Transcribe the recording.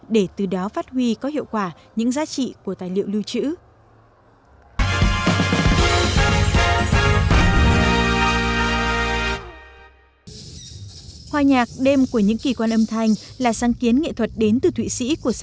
để từ đó phát huy có hiệu quả những giá trị của tài liệu lưu trữ